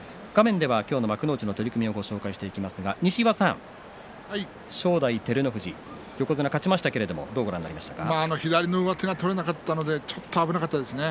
今日の幕内の取組をご紹介していきますが西岩さん、正代と照ノ富士横綱勝ちましたけれども左の上手が取れなかったのでちょっと危なかったですね。